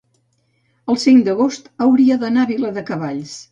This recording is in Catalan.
el cinc d'agost hauria d'anar a Viladecavalls.